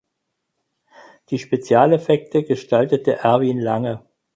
Die Spezialeffekte gestaltete Erwin Lange.